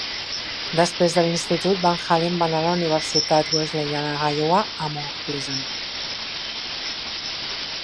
Després de l'institut, Van Allen va anar a la Universitat Wesleyana Iowa a Mount Pleasant.